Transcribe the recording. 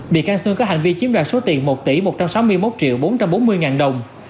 bị can sương có hành vi chiếm đoạt số tiền một tỷ một trăm sáu mươi một triệu bốn trăm bốn mươi ngàn đồng